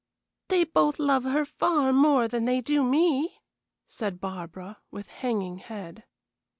"They both love her far more than they do me," said Barbara, with hanging head.